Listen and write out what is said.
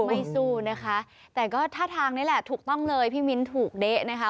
ไม่สู้นะคะแต่ก็ท่าทางนี้แหละถูกต้องเลยพี่มิ้นถูกเด๊ะนะคะ